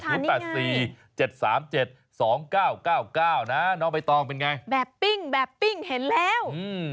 หมู๘๔๗๓๗๒๙๙๙นะน้องไปตองเป็นไงแบบปิ้งแบบปิ้งเห็นแล้ว